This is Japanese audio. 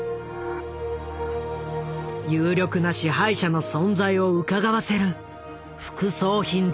有力な支配者の存在をうかがわせる副葬品だった。